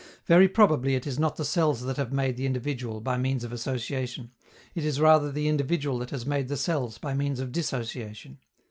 Very probably it is not the cells that have made the individual by means of association; it is rather the individual that has made the cells by means of dissociation.